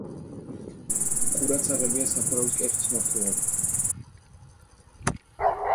ყურადსაღებია სახურავის კეხის მორთულობა.